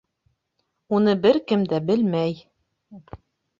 Уны бер кем дә белмәй.